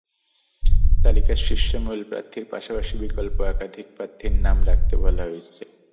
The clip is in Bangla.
তালিকার শীর্ষে মূল প্রার্থীর পাশাপাশি বিকল্প একাধিক প্রার্থীর নাম রাখতে বলা হয়েছে।